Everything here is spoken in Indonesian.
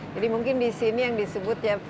jadi mungkin di sini yang disebut ya